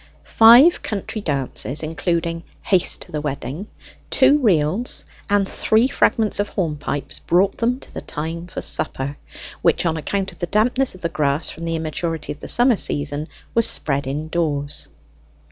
Five country dances, including 'Haste to the Wedding,' two reels, and three fragments of horn pipes, brought them to the time for supper, which, on account of the dampness of the grass from the immaturity of the summer season, was spread indoors.